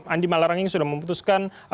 andi malaranging sudah memutuskan